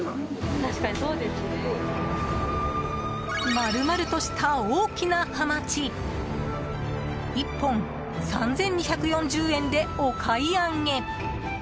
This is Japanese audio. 丸々とした大きなハマチ１本３２４０円でお買い上げ！